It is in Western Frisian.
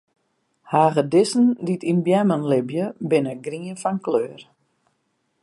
Hagedissen dy't yn beammen libje, binne grien fan kleur.